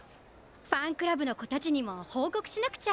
ファンクラブのこたちにもほうこくしなくちゃ。